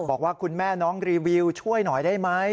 บอกว่าคุณแม่น้องรีวิวช่วยหน่อยได้ไหม